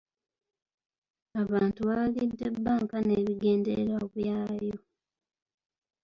Abantu bawagidde bbanka n'ebigendererwa byayo .